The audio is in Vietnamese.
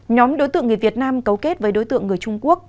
nhóm đối tượng người việt nam cấu kết với đối tượng người trung quốc